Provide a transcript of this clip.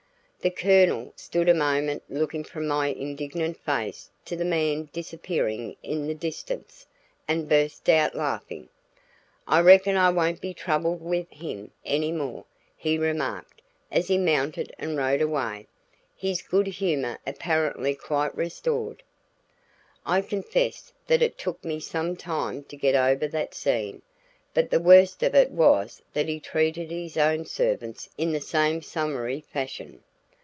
The Colonel stood a moment looking from my indignant face to the man disappearing in the distance, and burst out laughing. "I reckon I won't be troubled with him any more," he remarked as he mounted and rode away, his good humor apparently quite restored. I confess that it took me some time to get over that scene. But the worst of it was that he treated his own servants in the same summary fashion.